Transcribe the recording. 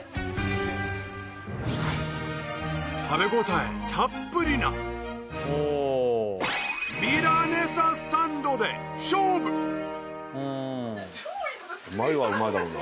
食べごたえたっぷりなミラネササンドで勝負うまいはうまいだろうな。